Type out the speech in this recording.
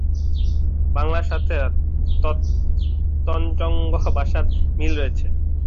বাংলার সাথে তঞ্চঙ্গ্যা ভাষার মিল রয়েছে।